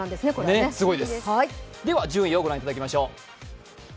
では１０位をご覧いただきましょう。